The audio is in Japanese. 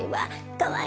かわいい！